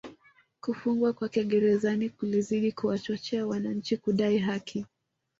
Kufungwa kwake Gerezani kulizidi kuwachochea wananchi kudai haki